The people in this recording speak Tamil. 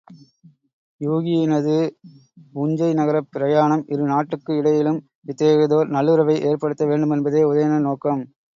யூகியினது உஞ்சை நகரப் பிரயாணம் இரு நாட்டுக்கு இடையிலும் இத்தகையதோர் நல்லுறவை ஏற்படுத்த வேண்டுமென்பதே உதயணன் நோக்கம்.